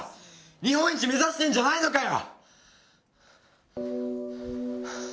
日本一目指してるんじゃないのかよ。